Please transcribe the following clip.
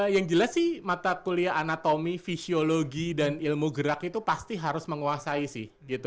yang jelas sih mata kuliah anatomi fisiologi dan ilmu gerak itu pasti harus menguasai sih